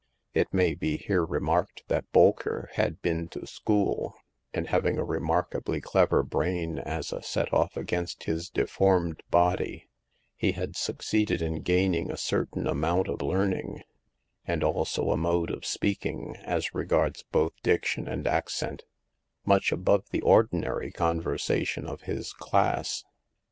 '' It may be here remarked that Bolker had been to school, and having a remarkably clever brain as a set off against his deformed body, he had succeeded in gaining a certain amount of learn ing, and also a mode of speaking, as regards both diction and accent, much above the ordinary conversation of his class.